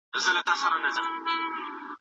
موږ باید نوې موضوع وټاکو.